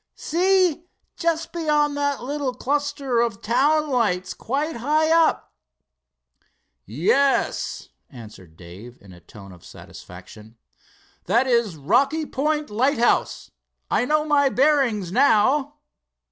"See, just beyond that little cluster of town lights quite high up." "Yes," answered Dave in a tone of satisfaction. "That is Rocky Point lighthouse. I know my bearings, now."